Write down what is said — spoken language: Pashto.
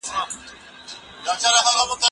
زه به انځور ليدلی وي؟